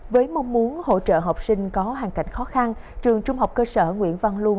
với mong muốn hỗ trợ học sinh có hàn cảnh khó khăn trường trung học cơ sở nguyễn văn luân